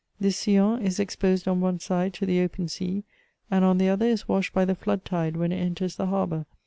This Sillon is exposed on one side to the open sea, and on the other is waiahed by the flood tide when it enters the harbour.